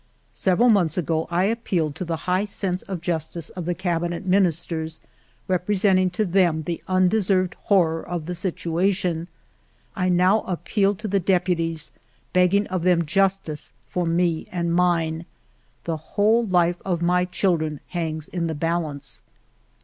" Several months ago I appealed to the high sense of justice of the Cabinet Ministers, repre senting to them the undeserved horror of the situation ; I now appeal to the deputies, begging of them justice for me and mine. The whole life of my children hangs in the balance."